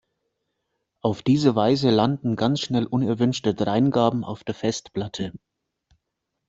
Auf diese Weise landen ganz schnell unerwünschte Dreingaben auf der Festplatte.